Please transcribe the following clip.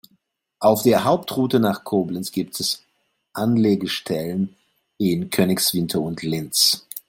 Auf der Hauptroute nach Koblenz gibt es Anlegestellen in Königswinter und Linz.